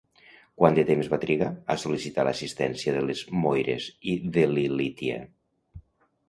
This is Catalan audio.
Quant de temps va trigar a sol·licitar l'assistència de les Moires i d'Ilitia?